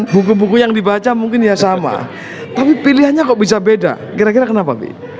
buku buku yang dibaca mungkin ya sama tapi pilihannya kok bisa beda kira kira kenapa